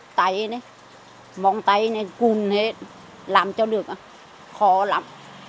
cái tay này móng tay này cùn hết làm cho được khó lắm